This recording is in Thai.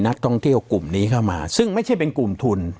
นักท่องเที่ยวกลุ่มนี้เข้ามาซึ่งไม่ใช่เป็นกลุ่มทุน